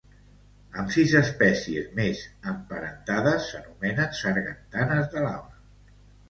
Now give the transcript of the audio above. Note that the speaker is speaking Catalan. Amb sis espècies més emparentades s'anomenen sargantanes de lava.